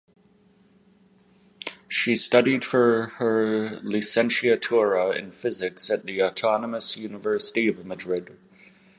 She studied for her Licenciatura in Physics at the Autonomous University of Madrid.